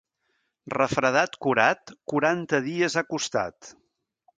Refredat curat, quaranta dies ha costat.